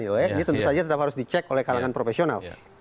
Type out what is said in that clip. ini tentu saja tetap harus dicek oleh kalangan profesional